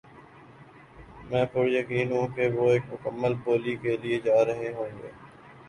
میں پُریقین ہوں وہ ایک مکمل بولی کے لیے جا رہے ہوں گے